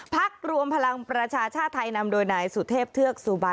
พักรวมพลังประชาชาติไทยนำโดยนายสุเทพเทือกสุบัน